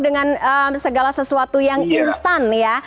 dengan segala sesuatu yang instan ya